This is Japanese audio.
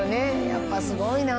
やっぱすごいな！